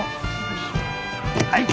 はい。